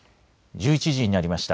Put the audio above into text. １１時になりました。